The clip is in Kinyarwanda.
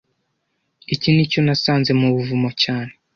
Iki nicyo nasanze mu buvumo cyane